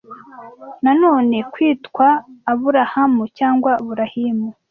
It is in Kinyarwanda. nanone kwitwa abulaham cyangwa Burahimu